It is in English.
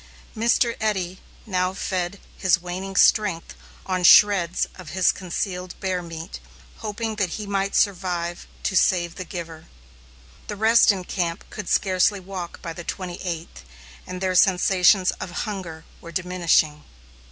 Mr. Eddy now fed his waning strength on shreds of his concealed bear meat, hoping that he might survive to save the giver. The rest in camp could scarcely walk, by the twenty eighth, and their sensations of hunger were deminishing.